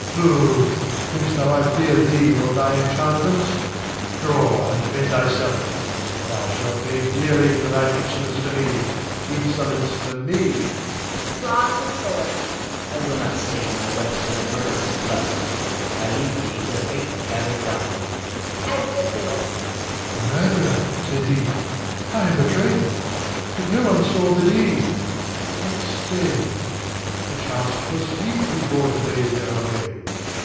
Rod. Fool! thinkst thou I fear thee or thy enchantments? Draw, and defend thyself! Thou shalt pay dearly for thine insolence to me! [Draws his sword. Louis. I will not stain my weapon with a murderer's blood. I leave thee to the fate that gathers round thee. [Exit Louis. Rod. "Murderer," said he. I am betrayed, yet no one saw the deed. Yet, stay! perchance 'twas he who bore Theresa away.